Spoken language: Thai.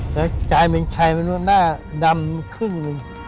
แต่ใจเป็นใครเป็นตัวหน้าดำครึ่งหนึ่ง